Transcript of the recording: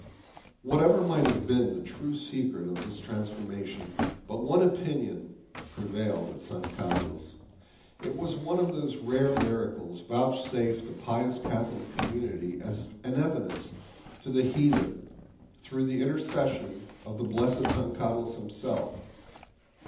Whatever might have been the true secret of this transformation, but one opinion prevailed at San Carlos. It was one of those rare miracles vouchsafed a pious Catholic community as an evidence to the heathen, through the intercession of the blessed San Carlos himself.